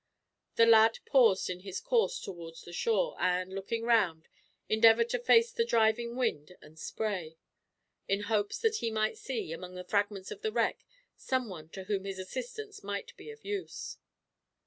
The lad paused in his course towards the shore and, looking round, endeavored to face the driving wind and spray; in hopes that he might see, among the fragments of the wreck, some one to whom his assistance might be of use.